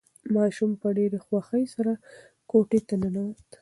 ماشوم په ډېرې خوښۍ سره کوټې ته ننوت.